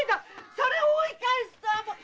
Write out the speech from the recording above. それを追い返すとはもう！